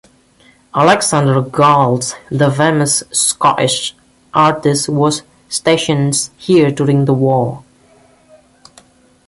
Alexander Galt the famous Scottish artist was stationed here during the war.